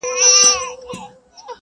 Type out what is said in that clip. د تاریخ پاڼې باید په غور واړول سي.